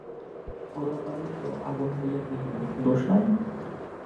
প্রতাপাদিত্য আগুন হইয়া কহিলেন, দোষ নাই?